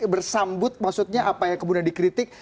bersambut maksudnya apa yang kemudian dikritik